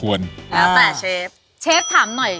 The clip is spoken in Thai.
อะไรเชฟถามหน่อย